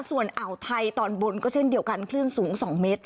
ส่วนอ่าวไทยตอนบนก็เช่นเดียวกันคลื่นสูง๒เมตร